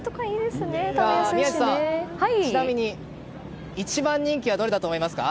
宮司さん、ちなみに一番人気はどれだと思いますか？